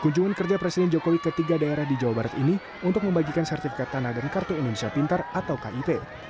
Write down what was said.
kunjungan kerja presiden jokowi ke tiga daerah di jawa barat ini untuk membagikan sertifikat tanah dan kartu indonesia pintar atau kip